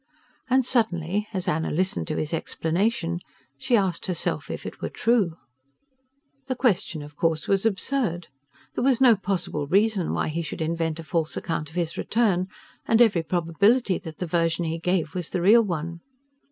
And suddenly, as Anna listened to his explanation, she asked herself if it were true. The question, of course, was absurd. There was no possible reason why he should invent a false account of his return, and every probability that the version he gave was the real one.